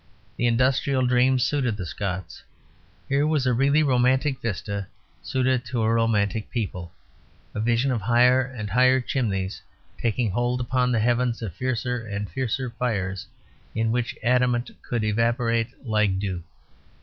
The industrial dream suited the Scots. Here was a really romantic vista, suited to a romantic people; a vision of higher and higher chimneys taking hold upon the heavens, of fiercer and fiercer fires in which adamant could evaporate like dew.